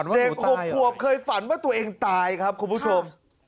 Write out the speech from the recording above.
เด็ก๖ขวบเคยฝันว่าตัวเองตายครับคุณผู้ชม